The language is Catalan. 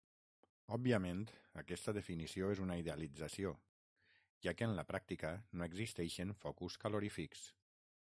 Òbviament aquesta definició és una idealització, ja que, en la pràctica, no existeixen focus calorífics.